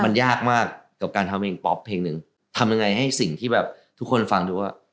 มันยากมากกับการทำเพลงป๊อปเพลงหนึ่งทำยังไงให้สิ่งที่แบบทุกคนฟังดูว่า